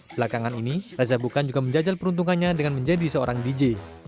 belakangan ini reza bukan juga menjajal peruntungannya dengan menjadi seorang dj